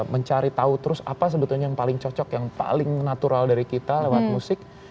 mencari tahu terus apa sebetulnya yang paling cocok yang paling natural dari kita lewat musik